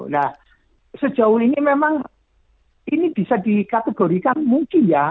nah sejauh ini memang ini bisa dikategorikan mungkin ya